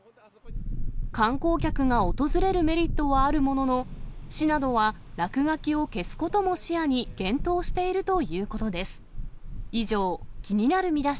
観光客が訪れるメリットはあるものの、市などは落書きを消すことも視野に検討しているということです。